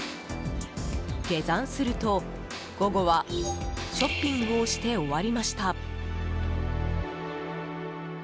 下山すると、午後はショッピングをして終わりました。